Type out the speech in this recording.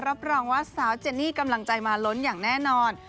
รับรองว่าสาวเจนี่กำลังใจมาล้นอย่างแน่นอน